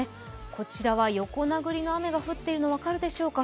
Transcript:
こちらは横殴りの雨が降っているのが分かるでしょうか。